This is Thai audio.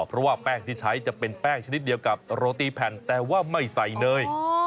เพราะว่าแป้งที่ใช้จะเป็นแป้งชนิดเดียวกับโรตีแผ่นแต่ว่าไม่ใส่เนย